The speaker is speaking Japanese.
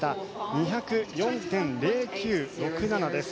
２０４．０９６７です。